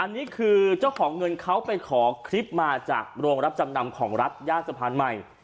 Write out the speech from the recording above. อันนี้คือเจ้าของเงินเขาไปขอคลิปมาจากโรงรับจำนำของรัฐย่านสะพานใหม่